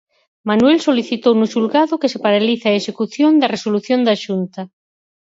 Manuel solicitou no xulgado que se paralice a execución da resolución da Xunta.